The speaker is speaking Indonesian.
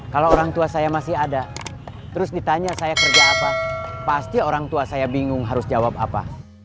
kalau orang tua saya masih ada terus ditanya saya kerja apa pasti orang tua saya bingung harus jawab apa